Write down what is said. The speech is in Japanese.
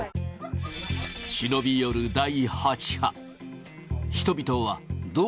忍び寄る第８波。